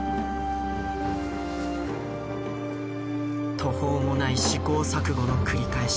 途方もない試行錯誤の繰り返し。